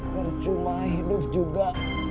percuma hidup juga